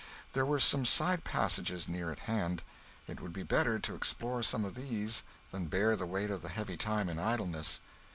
There were some side passages near at hand. It would be better to explore some of these than bear the weight of the heavy time in idleness.